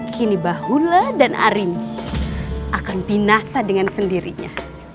kini bahula dan arini akan binasa dengan sendirinya